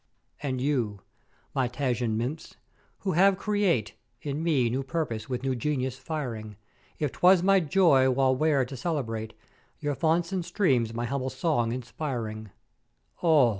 And you, my Tagian Nymphs, who have create in me new purpose with new genius firing; if 'twas my joy whilere to celebrate your founts and stream my humble song inspiring; Oh!